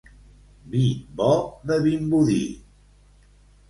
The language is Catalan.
Vi bo de Vimbodí.